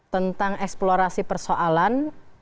tentang eksplorasi persoalan